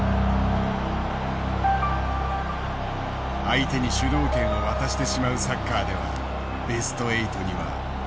相手に主導権を渡してしまうサッカーではベスト８にはたどりつけない。